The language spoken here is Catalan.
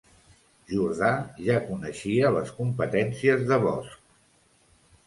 Jordà ja coneixia les competències de Bosch